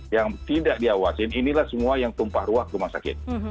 yang tidak diawasin inilah semua yang tumpah ruah ke rumah sakit